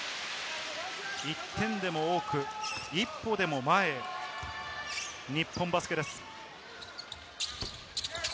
１点でも多く、１歩でも前へ、日本バスケです。